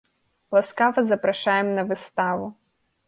Ласкава запрашаем на выставу!